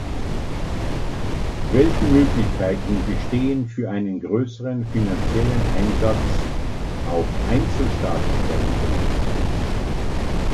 Welche Möglichkeiten bestehen für einen größeren finanziellen Einsatz auf einzelstaatlicher Ebene?